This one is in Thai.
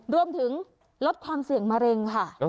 รวมถึงลดความเสี่ยงมะเร็งค่ะ